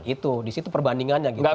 itu di situ perbandingannya gitu